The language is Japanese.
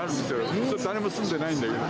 もう誰も住んでないんだけど。